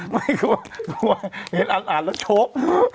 ไม่อ่านเห็นอ่านแล้วโชค